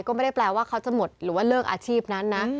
ก็ไม่ได้แปลว่าเขาจะหมดหรือว่าเลิกอาชีพนั้นนะ